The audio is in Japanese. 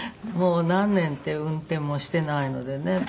もう何年って運転もしてないのでね。